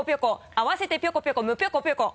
あわせてぴょこぴょこむぴょこぴょこ。